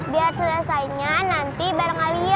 biar selesainya nanti bareng alia